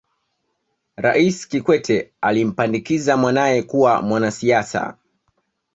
raisi kikwete alimpandikiza mwanae kuwa mwanasiasa